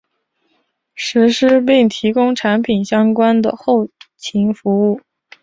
实施并提供产品相关的后勤服务。